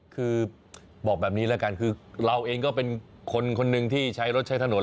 คือบอกแบบนี้แล้วกันคือเราเองก็เป็นคนคนหนึ่งที่ใช้รถใช้ถนน